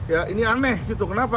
ya ini aneh gitu kenapa